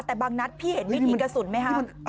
แต่บางนัดพี่เห็นวิถีกระสุนไหมครับ